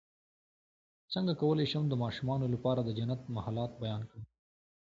څنګه کولی شم د ماشومانو لپاره د جنت محلات بیان کړم